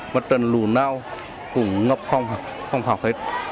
một trận lụt nào cũng ngập không học hết